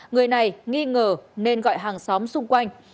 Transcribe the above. người này nghi ngờ nên gọi hàng xóm xung quanh